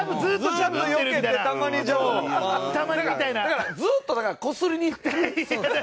だからずっとだからこすりにいってる。